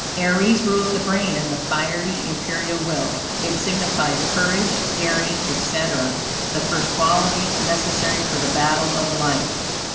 Aries rules the brain and the fiery, imperial will. It signifies courage, daring, etc., the first qualities necessary for the battle of life.